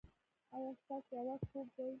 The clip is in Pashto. ایا ستاسو اواز خوږ دی؟